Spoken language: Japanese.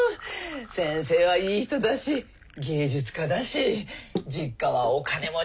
先生はいい人だし芸術家だし実家はお金持ちだし。